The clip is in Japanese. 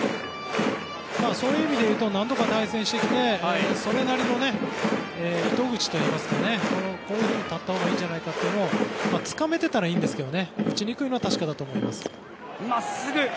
そういう意味でいうと何度か対戦してきてそれなりの糸口といいますかこういうふうに立ったほうがいいんじゃないかというのをつかめていたらいいんですけど打ちにくいのは確かだと思います。